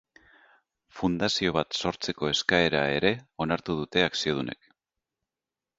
Fundazio bat sortzeko eskaera ere onartu dute akziodunek.